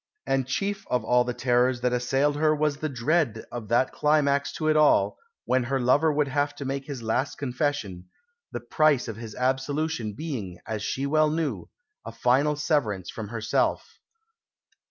And chief of all the terrors that assailed her was the dread of that climax to it all, when her lover would have to make his last confession, the price of his absolution being, as she well knew, a final severance from herself.